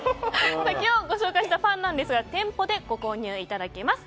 今日ご紹介したパンなんですが店舗でご購入いただけます。